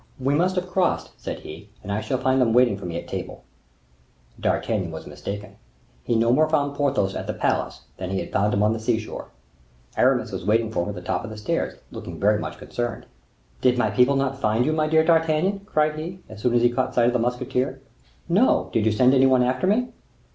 "We must have crossed," said he, "and I shall find them waiting for me at table." D'Artagnan was mistaken. He no more found Porthos at the palace than he had found him on the sea shore. Aramis was waiting for him at the top of the stairs, looking very much concerned. "Did my people not find you, my dear D'Artagnan?" cried he, as soon as he caught sight of the musketeer. "No; did you send any one after me?"